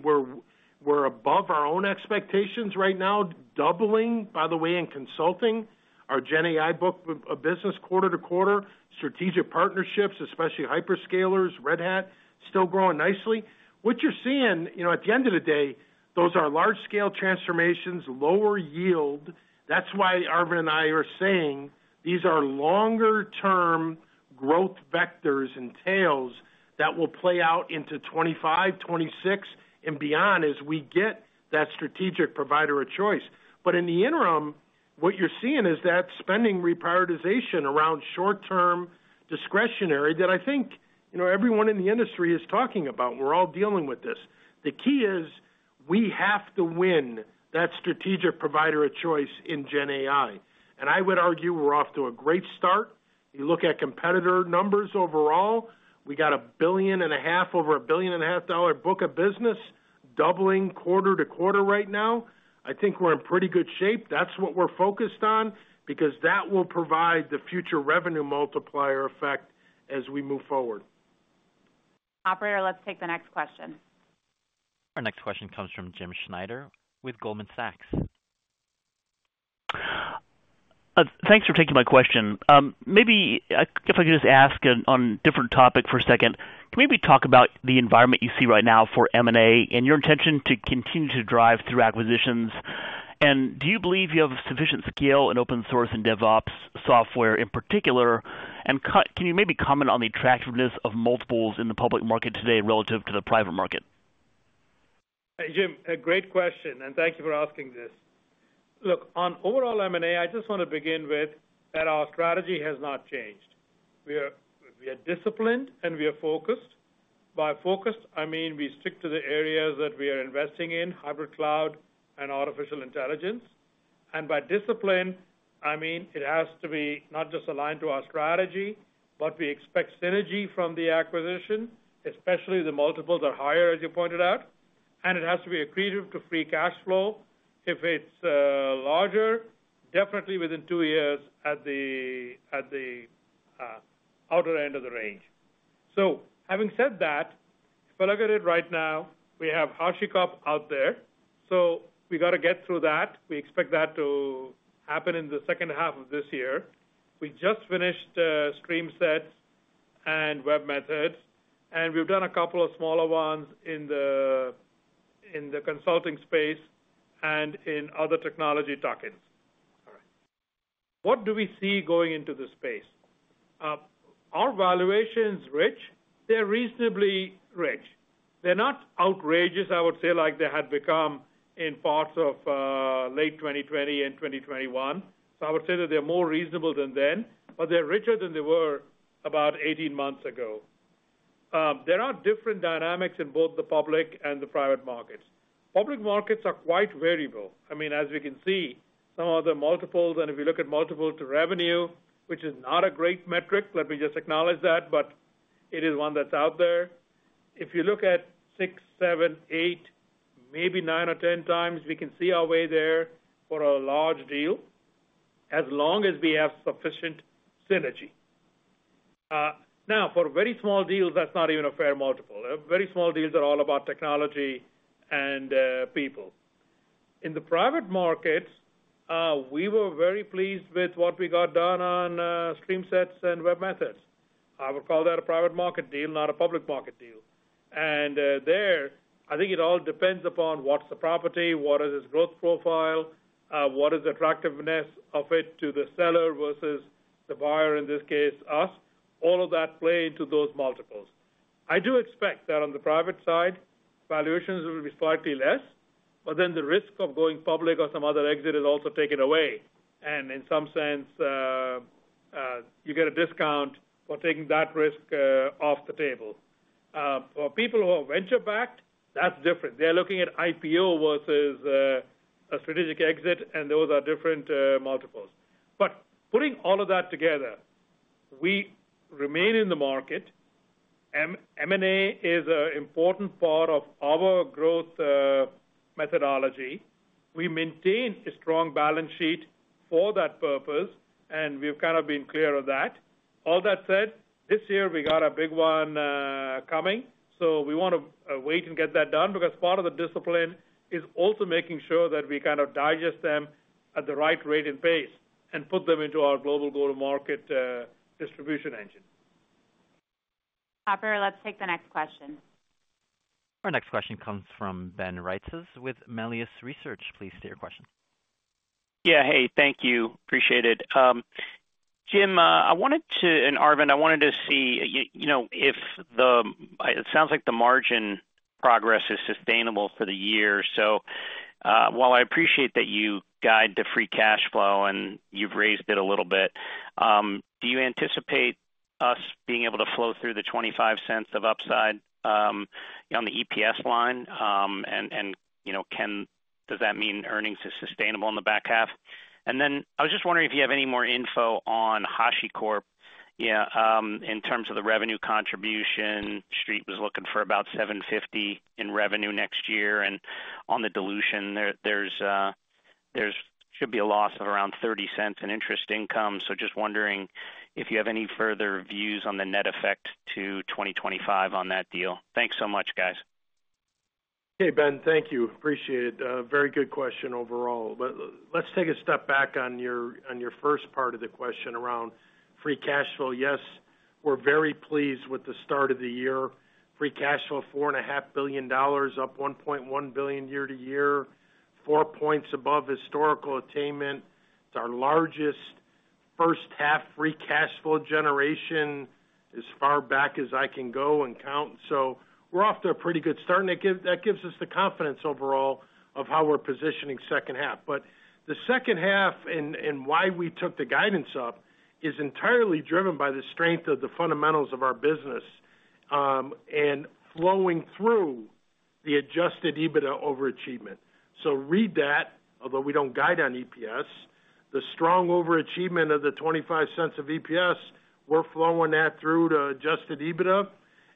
we're above our own expectations right now, doubling, by the way, in consulting. Our GenAI book of business quarter-to-quarter, strategic partnerships, especially hyperscalers, Red Hat, still growing nicely. What you're seeing at the end of the day, those are large-scale transformations, lower yield. That's why Arvind and I are saying these are longer-term growth vectors and tails that will play out into 2025, 2026, and beyond as we get that strategic provider of choice. But in the interim, what you're seeing is that spending reprioritization around short-term discretionary that I think everyone in the industry is talking about. We're all dealing with this. The key is we have to win that strategic provider of choice in GenAI. And I would argue we're off to a great start. You look at competitor numbers overall, we got $1.5 billion over $1.5 billion book of business doubling quarter-to-quarter right now. I think we're in pretty good shape. That's what we're focused on because that will provide the future revenue multiplier effect as we move forward. Operator, let's take the next question. Our next question comes from Jim Schneider with Goldman Sachs. Thanks for taking my question. Maybe if I could just ask on a different topic for a second, can we maybe talk about the environment you see right now for M&A and your intention to continue to drive through acquisitions? And do you believe you have sufficient scale in open source and DevOps software in particular? And can you maybe comment on the attractiveness of multiples in the public market today relative to the private market? Hey, Jim, a great question, and thank you for asking this. Look, on overall M&A, I just want to begin with that our strategy has not changed. We are disciplined, and we are focused. By focused, I mean we stick to the areas that we are investing in, hybrid cloud and artificial intelligence. By discipline, I mean it has to be not just aligned to our strategy, but we expect synergy from the acquisition, especially the multiples are higher, as you pointed out. And it has to be accretive to free cash flow. If it's larger, definitely within two years at the outer end of the range. So having said that, if I look at it right now, we have HashiCorp out there. So we got to get through that. We expect that to happen in the second half of this year. We just finished StreamSets and webMethods, and we've done a couple of smaller ones in the consulting space and in other technology tokens. All right. What do we see going into this space? Our valuation's rich. They're reasonably rich. They're not outrageous, I would say, like they had become in parts of late 2020 and 2021. So I would say that they're more reasonable than then, but they're richer than they were about 18 months ago. There are different dynamics in both the public and the private markets. Public markets are quite variable. I mean, as we can see, some of the multiples, and if you look at multiples to revenue, which is not a great metric, let me just acknowledge that, but it is one that's out there. If you look at 6x, 7x, 8x, maybe 9x or 10x, we can see our way there for a large deal as long as we have sufficient synergy. Now, for very small deals, that's not even a fair multiple. Very small deals are all about technology and people. In the private markets, we were very pleased with what we got done on StreamSets and webMethods. I would call that a private market deal, not a public market deal. There, I think it all depends upon what's the property, what is its growth profile, what is the attractiveness of it to the seller versus the buyer, in this case, us. All of that plays into those multiples. I do expect that on the private side, valuations will be slightly less, but then the risk of going public or some other exit is also taken away. In some sense, you get a discount for taking that risk off the table. For people who are venture-backed, that's different. They're looking at IPO versus a strategic exit, and those are different multiples. Putting all of that together, we remain in the market. M&A is an important part of our growth methodology. We maintain a strong balance sheet for that purpose, and we've kind of been clear of that. All that said, this year, we got a big one coming, so we want to wait and get that done because part of the discipline is also making sure that we kind of digest them at the right rate and pace and put them into our global go-to-market distribution engine. Operator, let's take the next question. Our next question comes from Ben Reitzes with Melius Research. Please state your question. Yeah. Hey, thank you. Appreciate it. Jim, I wanted to, and Arvind, I wanted to see if the, it sounds like the margin progress is sustainable for the year. So while I appreciate that you guide the free cash flow and you've raised it a little bit, do you anticipate us being able to flow through the $0.25 of upside on the EPS line? And does that mean earnings are sustainable in the back half? And then I was just wondering if you have any more info on HashiCorp in terms of the revenue contribution. Street was looking for about $750 million in revenue next year. And on the dilution, there should be a loss of around $0.30 in interest income. So just wondering if you have any further views on the net effect to 2025 on that deal. Thanks so much, guys. Hey, Ben, thank you. Appreciate it. Very good question overall. But let's take a step back on your first part of the question around free cash flow. Yes, we're very pleased with the start of the year. Free cash flow, $4.5 billion, up $1.1 billion year-over-year, four points above historical attainment. It's our largest first half free cash flow generation as far back as I can go and count. So we're off to a pretty good start, and that gives us the confidence overall of how we're positioning second half. But the second half and why we took the guidance up is entirely driven by the strength of the fundamentals of our business and flowing through the adjusted EBITDA overachievement. So read that, although we don't guide on EPS. The strong overachievement of the $0.25 of EPS, we're flowing that through to adjusted EBITDA,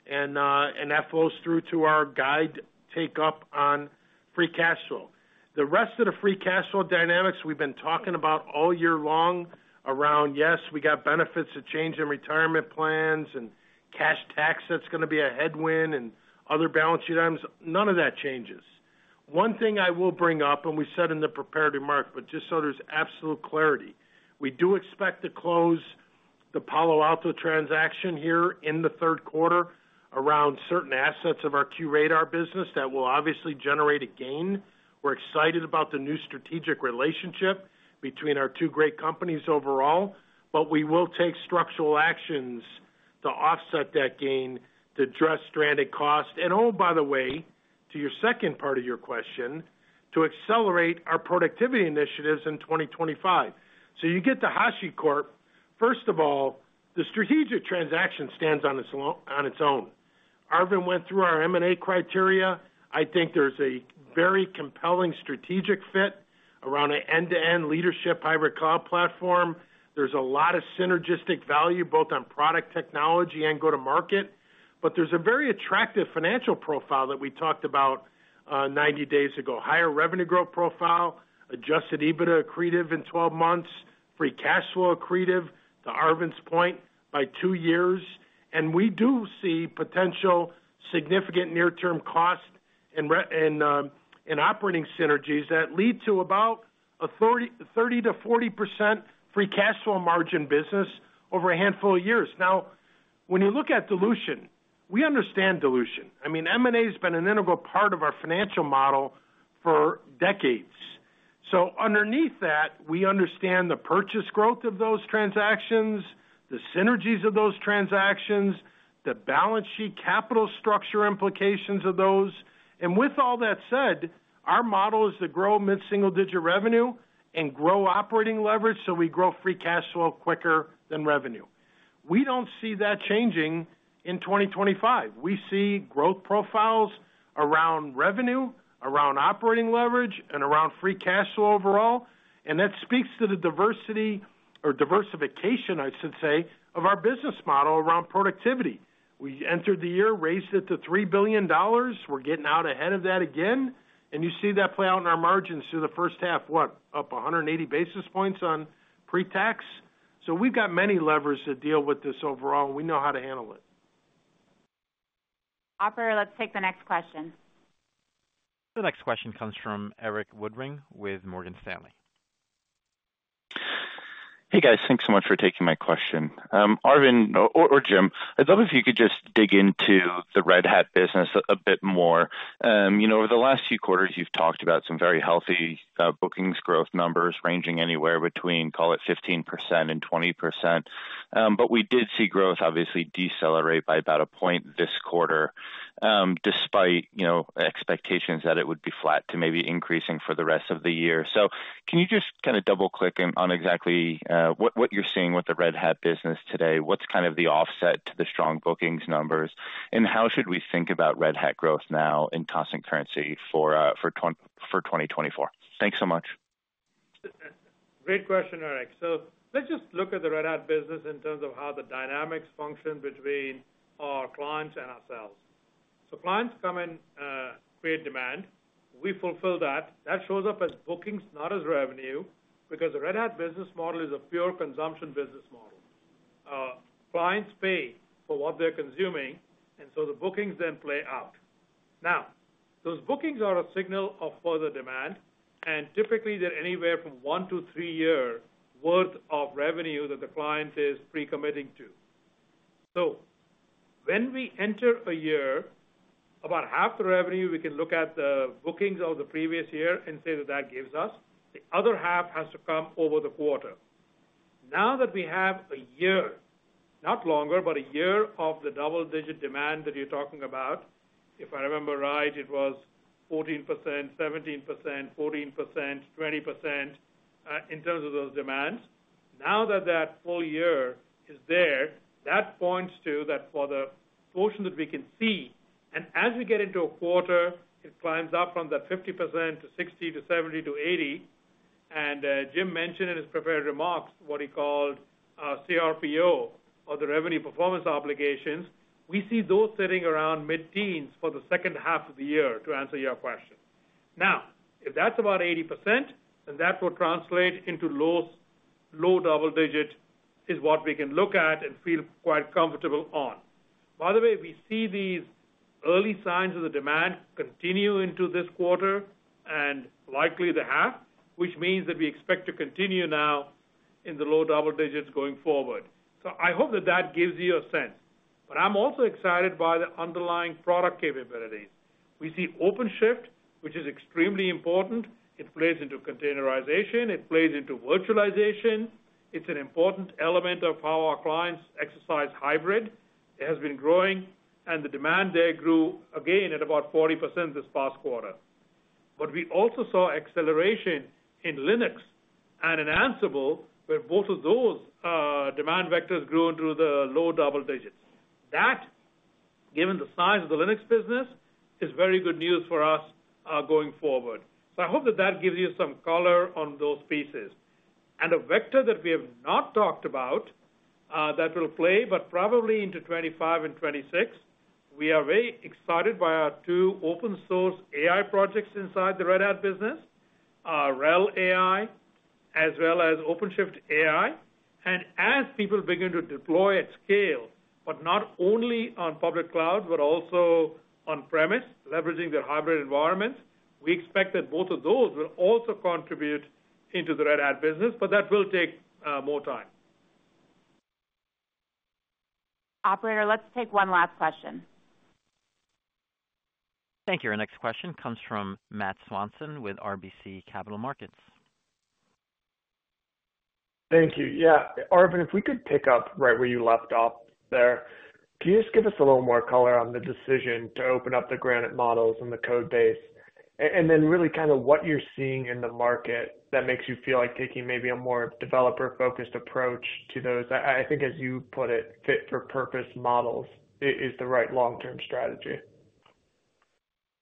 and that flows through to our guide take-up on free cash flow. The rest of the free cash flow dynamics we've been talking about all year long around, yes, we got benefits that change in retirement plans and cash tax that's going to be a headwind and other balance sheet items, none of that changes. One thing I will bring up, and we said in the preparatory remarks, but just so there's absolute clarity, we do expect to close the Palo Alto transaction here in the third quarter around certain assets of our QRadar business that will obviously generate a gain. We're excited about the new strategic relationship between our two great companies overall, but we will take structural actions to offset that gain, to address stranded costs. And oh, by the way, to your second part of your question, to accelerate our productivity initiatives in 2025. So you get to HashiCorp. First of all, the strategic transaction stands on its own. Arvind went through our M&A criteria. I think there's a very compelling strategic fit around an end-to-end leadership hybrid cloud platform. There's a lot of synergistic value both on product technology and go-to-market, but there's a very attractive financial profile that we talked about 90 days ago. Higher revenue growth profile, adjusted EBITDA accretive in 12 months, free cash flow accretive to Arvind's point by 2 years. And we do see potential significant near-term cost and operating synergies that lead to about 30%-40% free cash flow margin business over a handful of years. Now, when you look at dilution, we understand dilution. I mean, M&A has been an integral part of our financial model for decades. So underneath that, we understand the purchase growth of those transactions, the synergies of those transactions, the balance sheet capital structure implications of those. With all that said, our model is to grow mid-single digit revenue and grow operating leverage so we grow free cash flow quicker than revenue. We don't see that changing in 2025. We see growth profiles around revenue, around operating leverage, and around free cash flow overall. And that speaks to the diversity or diversification, I should say, of our business model around productivity. We entered the year, raised it to $3 billion. We're getting out ahead of that again. And you see that play out in our margins through the first half, what, up 180 basis points on pre-tax. So we've got many levers to deal with this overall, and we know how to handle it. Operator, let's take the next question. The next question comes from Erik Woodring with Morgan Stanley. Hey, guys. Thanks so much for taking my question. Arvind or Jim, I'd love if you could just dig into the Red Hat business a bit more. Over the last few quarters, you've talked about some very healthy bookings growth numbers ranging anywhere between, call it 15%-20%. But we did see growth obviously decelerate by about a point this quarter despite expectations that it would be flat to maybe increasing for the rest of the year. So can you just kind of double-click on exactly what you're seeing with the Red Hat business today? What's kind of the offset to the strong bookings numbers? And how should we think about Red Hat growth now in constant currency for 2024? Thanks so much. Great question, Erik. So let's just look at the Red Hat business in terms of how the dynamics function between our clients and ourselves. So clients come in, create demand. We fulfill that. That shows up as bookings, not as revenue, because the Red Hat business model is a pure consumption business model. Clients pay for what they're consuming, and so the bookings then play out. Now, those bookings are a signal of further demand, and typically they're anywhere from one to three years' worth of revenue that the client is pre-committing to. So when we enter a year, about half the revenue, we can look at the bookings of the previous year and say that that gives us. The other half has to come over the quarter. Now that we have a year, not longer, but a year of the double-digit demand that you're talking about, if I remember right, it was 14%, 17%, 14%, 20% in terms of those demands. Now that that full year is there, that points to that for the portion that we can see. As we get into a quarter, it climbs up from that 50% to 60% to 70% to 80%. Jim mentioned in his prepared remarks what he called CRPO, or the revenue performance obligations. We see those sitting around mid-teens for the second half of the year, to answer your question. Now, if that's about 80%, then that will translate into low double-digit is what we can look at and feel quite comfortable on. By the way, we see these early signs of the demand continue into this quarter and likely the half, which means that we expect to continue now in the low double digits going forward. So I hope that that gives you a sense. But I'm also excited by the underlying product capabilities. We see OpenShift, which is extremely important. It plays into containerization. It plays into virtualization. It's an important element of how our clients exercise hybrid. It has been growing, and the demand there grew again at about 40% this past quarter. But we also saw acceleration in Linux and in Ansible, where both of those demand vectors grew into the low double digits. That, given the size of the Linux business, is very good news for us going forward. So I hope that that gives you some color on those pieces. And a vector that we have not talked about that will play, but probably into 2025 and 2026, we are very excited by our two open-source AI projects inside the Red Hat business, RHEL AI, as well as OpenShift AI. As people begin to deploy at scale, but not only on public cloud, but also on-premise, leveraging their hybrid environments, we expect that both of those will also contribute into the Red Hat business, but that will take more time. Operator, let's take one last question. Thank you. Our next question comes from Matt Swanson with RBC Capital Markets. Thank you. Yeah. Arvind, if we could pick up right where you left off there, can you just give us a little more color on the decision to open up the Granite models and the code base? And then really kind of what you're seeing in the market that makes you feel like taking maybe a more developer-focused approach to those, I think, as you put it, fit-for-purpose models is the right long-term strategy.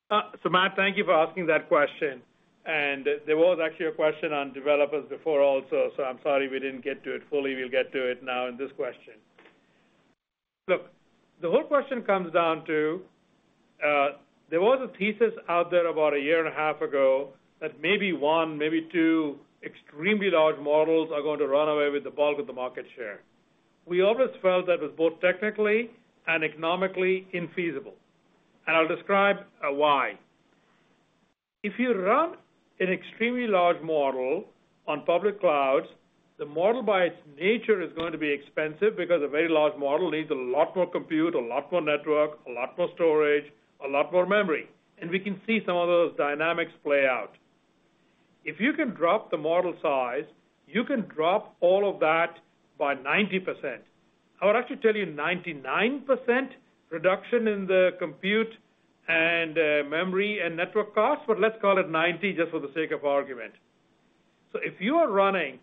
So, Matt, thank you for asking that question. There was actually a question on developers before also, so I'm sorry we didn't get to it fully. We'll get to it now in this question. Look, the whole question comes down to there was a thesis out there about a year and a half ago that maybe one, maybe two extremely large models are going to run away with the bulk of the market share. We always felt that was both technically and economically infeasible. And I'll describe why. If you run an extremely large model on public clouds, the model by its nature is going to be expensive because a very large model needs a lot more compute, a lot more network, a lot more storage, a lot more memory. And we can see some of those dynamics play out. If you can drop the model size, you can drop all of that by 90%. I would actually tell you 99% reduction in the compute and memory and network costs, but let's call it 90% just for the sake of argument. So if you are running,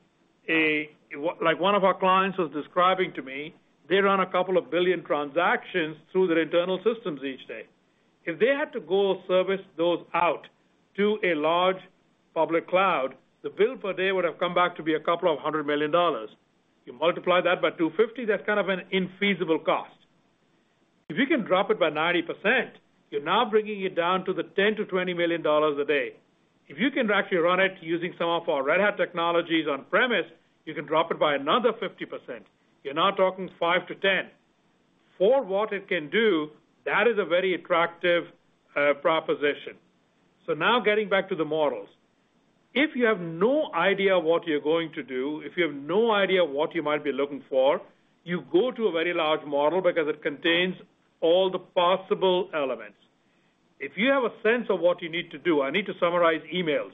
like one of our clients was describing to me, they run a couple of billion transactions through their internal systems each day. If they had to go service those out to a large public cloud, the bill per day would have come back to be a couple of hundred million dollars. You multiply that by 250, that's kind of an infeasible cost. If you can drop it by 90%, you're now bringing it down to the $10 million-$20 million a day. If you can actually run it using some of our Red Hat technologies on-premise, you can drop it by another 50%. You're now talking $5 million-$10 million. For what it can do, that is a very attractive proposition. So now getting back to the models. If you have no idea what you're going to do, if you have no idea what you might be looking for, you go to a very large model because it contains all the possible elements. If you have a sense of what you need to do, I need to summarize emails.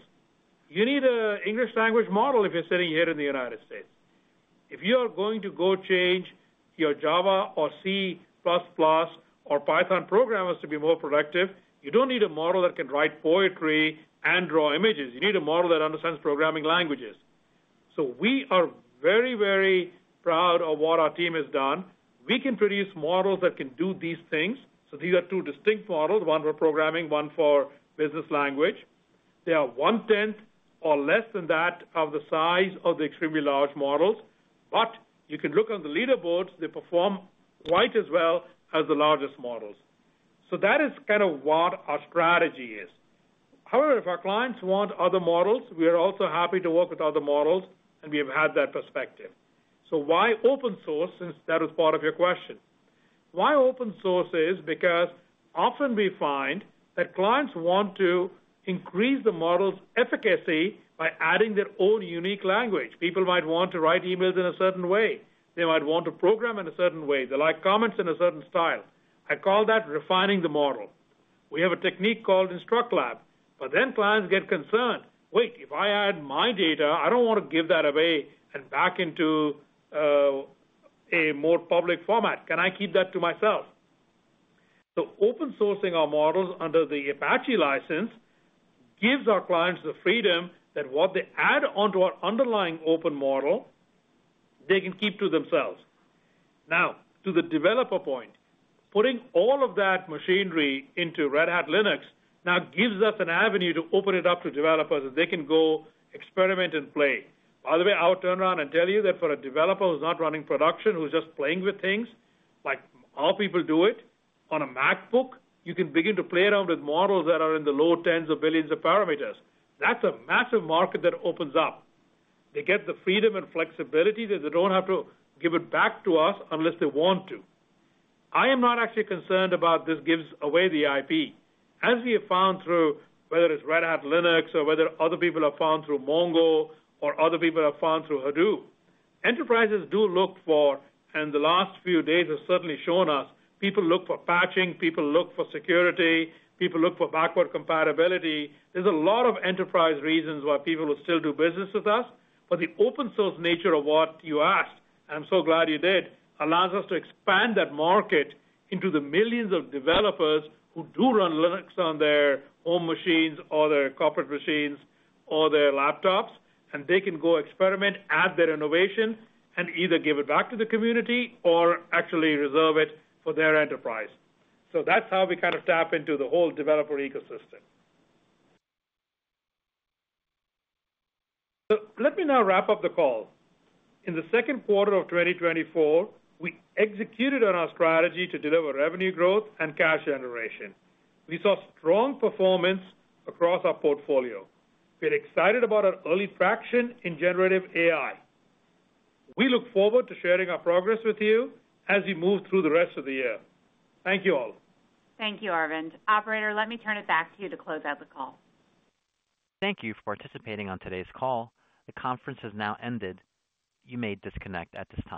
You need an English-language model if you're sitting here in the United States. If you are going to go change your Java or C++ or Python programmers to be more productive, you don't need a model that can write poetry and draw images. You need a model that understands programming languages. So we are very, very proud of what our team has done. We can produce models that can do these things. So these are two distinct models, one for programming, one for business language. They are one-tenth or less than that of the size of the extremely large models. But you can look on the leaderboards; they perform quite as well as the largest models. So that is kind of what our strategy is. However, if our clients want other models, we are also happy to work with other models, and we have had that perspective. So why open source since that was part of your question? Why open source is because often we find that clients want to increase the model's efficacy by adding their own unique language. People might want to write emails in a certain way. They might want to program in a certain way. They like comments in a certain style. I call that refining the model. We have a technique called InstructLab. But then clients get concerned, "Wait, if I add my data, I don't want to give that away and back into a more public format. Can I keep that to myself?" So open sourcing our models under the Apache license gives our clients the freedom that what they add onto our underlying open model, they can keep to themselves. Now, to the developer point, putting all of that machinery into Red Hat Linux now gives us an avenue to open it up to developers that they can go experiment and play. By the way, I'll turn around and tell you that for a developer who's not running production, who's just playing with things like our people do it on a MacBook, you can begin to play around with models that are in the low tens of billions of parameters. That's a massive market that opens up. They get the freedom and flexibility that they don't have to give it back to us unless they want to. I am not actually concerned about this gives away the IP. As we have found through whether it's Red Hat Linux or whether other people have found through Mongo or other people have found through Hadoop, enterprises do look for, and the last few days have certainly shown us, people look for patching, people look for security, people look for backward compatibility. There's a lot of enterprise reasons why people will still do business with us. But the open-source nature of what you asked, and I'm so glad you did, allows us to expand that market into the millions of developers who do run Linux on their home machines or their corporate machines or their laptops, and they can go experiment, add their innovation, and either give it back to the community or actually reserve it for their enterprise. So that's how we kind of tap into the whole developer ecosystem. So let me now wrap up the call. In the second quarter of 2024, we executed on our strategy to deliver revenue growth and cash generation. We saw strong performance across our portfolio. We're excited about our early traction in generative AI. We look forward to sharing our progress with you as we move through the rest of the year. Thank you all. Thank you, Arvind. Operator, let me turn it back to you to close out the call. Thank you for participating on today's call. The conference has now ended. You may disconnect at this time.